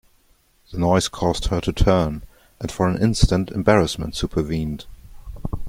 The noise caused her to turn, and for an instant embarrassment supervened.